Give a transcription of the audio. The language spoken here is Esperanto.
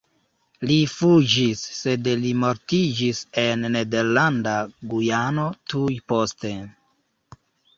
Li fuĝis, sed li mortiĝis en Nederlanda Gujano tuj poste.